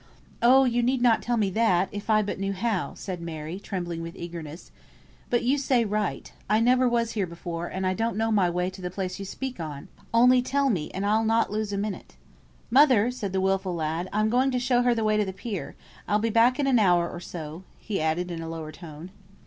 "Oh, you need not tell me that, if I but knew how," said Mary, trembling with eagerness. "But you say right, I never was here before, and I don't know my way to the place you speak on; only tell me, and I'll not lose a minute." "Mother!" said the wilful lad, "I'm going to show her the way to the pier; I'll be back in an hour, or so, " he added in a lower tone.